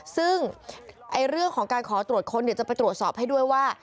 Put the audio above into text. ซึ่งเรื่องของการขอตรวจค้นเดี๋ยวจะไปตรวจสอบให้ด้วยว่า